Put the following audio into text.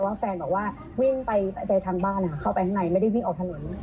แฟนบอกว่าวิ่งไปทางบ้านเข้าไปข้างในไม่ได้วิ่งออกถนน